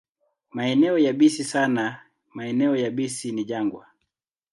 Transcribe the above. Maeneo yabisi sana na maeneo yabisi ni jangwa.